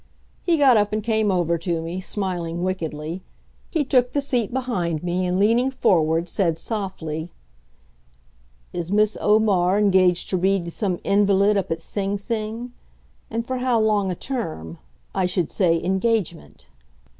He got up and came over to me, smiling wickedly. He took the seat behind me, and leaning forward, said softly: "Is Miss Omar engaged to read to some invalid up at Sing Sing? And for how long a term I should say, engagement?"